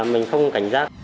mình không cảnh giác